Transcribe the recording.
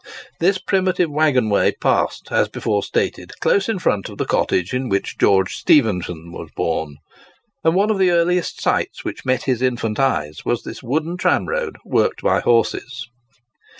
This primitive waggon way passed, as before stated, close in front of the cottage in which George Stephenson was born; and one of the earliest sights which met his infant eyes was this wooden tramroad worked by horses.